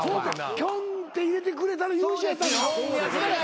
きょんって入れてくれたら優勝やったんか。